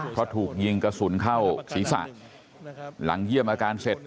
เพราะถูกยิงกระสุนเข้าศีรษะหลังเยี่ยมอาการเสร็จ